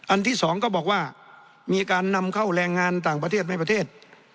ที่สองก็บอกว่ามีการนำเข้าแรงงานต่างประเทศในประเทศ